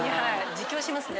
自供しますね。